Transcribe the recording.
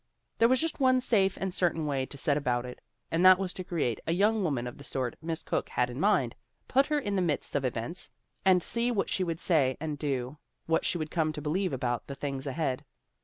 There was just one safe and certain way to set about it, and that was to create a young woman of the sort Miss Cooke had in mind, put her in the midst of events, and see what she would say and do, what she would come to believe about the things ahead.